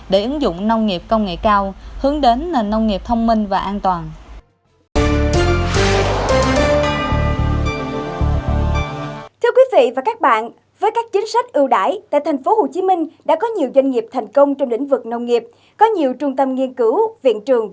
để ứng dụng nông nghiệp công nghệ cao